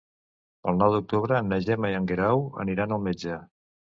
El nou d'octubre na Gemma i en Guerau aniran al metge.